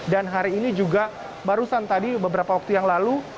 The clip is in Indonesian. dan hari ini juga barusan tadi beberapa waktu yang lalu